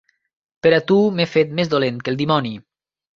Per a tu m'he fet més dolent que el dimoni.